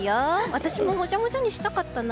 私ももじゃもじゃにしたかったな。